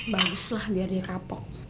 baguslah biar dia kapok